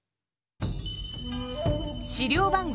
資料番号